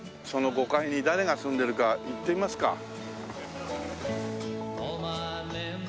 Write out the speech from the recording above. その５階に誰が住んでるか行ってみますか。